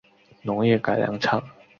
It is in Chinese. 农业改良场